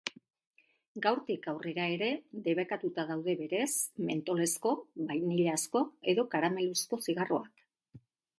Gaurtik aurrera ere, debekatuta daude berez mentolezko, bainilazko edo karameluzko zigarroak.